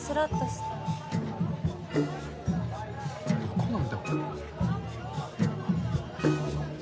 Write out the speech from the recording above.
どこなんだ？